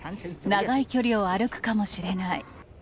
長い距離を歩くかもしれない。